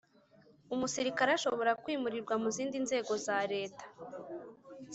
Umusirikare ashobora kwimurirwa mu zindi nzego za leta